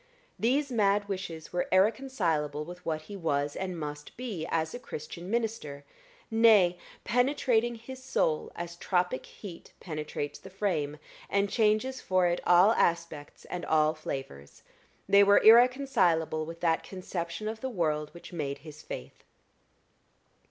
These mad wishes were irreconcilable with what he was, and must be, as a Christian minister, nay, penetrating his soul as tropic heat penetrates the frame, and changes for it all aspects and all flavors, they were irreconcilable with that conception of the world which made his faith.